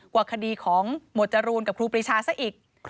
กว่าคดีของหมวดจรูนกับครูปรีชาซะอีก